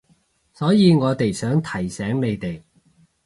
所以我哋想提醒你哋